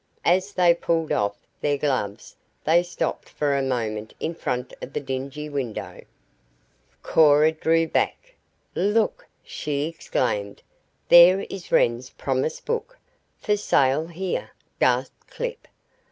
As they pulled off, their gloves they stopped for a moment in front of the dingy window. Cora drew back. "Look!" she exclaimed. "There is Wren's promise book." "For sale here!" gasped Clip.